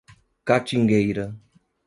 Catingueira